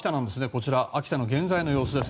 こちら秋田の現在の様子です。